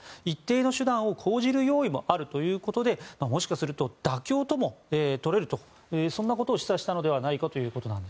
一定の手段を講じる用意もあるということでもしかすると妥協とも取れるとそんなことを示唆したのではないかと。